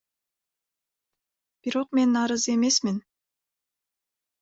Бирок мен нааразы эмесмин.